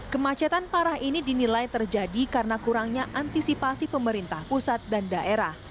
kemacetan parah ini dinilai terjadi karena kurangnya antisipasi pemerintah pusat dan daerah